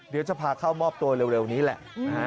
เดี๋ยวจะพาเข้ามอบตัวเร็วนี้แหละ